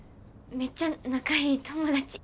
めっちゃ仲良い友達。